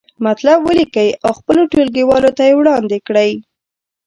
مطلب ولیکئ او خپلو ټولګیوالو ته یې وړاندې کړئ.